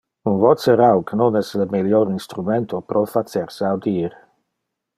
Un voce rauc non es le melior instrumento pro facer se audir.